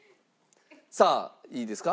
さあいいですか？